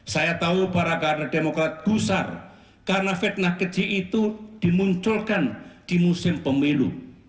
saya tahu para kader demokrat gusar karena fitnah keji itu dimunculkan di musim pemilu